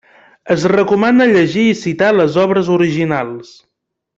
Es recomana llegir i citar les obres originals.